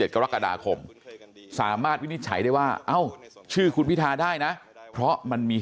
กรกฎาคมสามารถวินิจฉัยได้ว่าเอ้าชื่อคุณพิทาได้นะเพราะมันมี